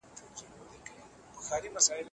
ازاد انسان باید بندی نسي.